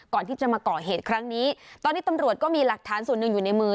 ก่อนที่จะมาก่อเหตุครั้งนี้ตอนนี้ตำรวจก็มีหลักฐานส่วนหนึ่งอยู่ในมือ